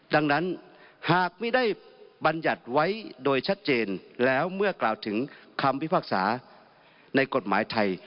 ดังนั้นหากไม่ได้บรรยัติไว้โดยชัดเจนแล้วเมื่อกล่าวถึงคำพิพากษาในกฎหมายไทย